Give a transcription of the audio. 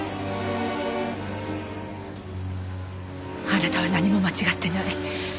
あなたは何も間違ってない。